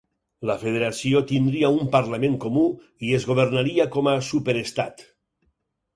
La federació tindria un parlament comú i es governaria com a superestat.